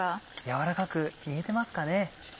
軟らかく煮えてますかね？